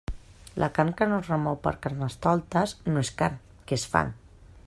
La carn que no es remou per Carnestoltes no és carn, que és fang.